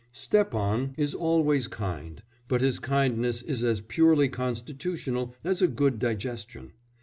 Stepan is always kind, but his kindness is as purely constitutional as a good digestion.